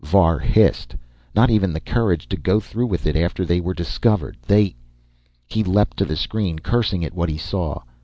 Var hissed. Not even the courage to go through with it after they were discovered! They He leaped to the screen, cursing at what he saw.